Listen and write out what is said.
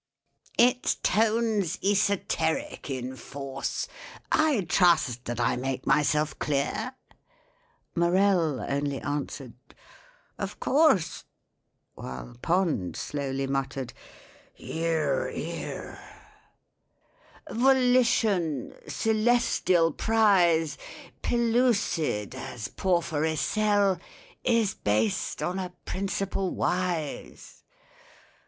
"Its tone's esoteric in force— I trust that I make myself clear?" MORELL only answered, "Of course," While POND slowly muttered, "Hear, hear." "Volition—celestial prize, Pellucid as porphyry cell— Is based on a principle wise."